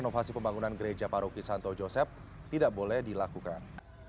fasi pembangunan gereja paroki santo yosep tidak boleh dilakukan